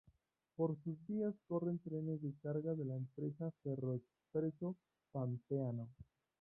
Por sus vías corren trenes de carga de la empresa Ferroexpreso Pampeano.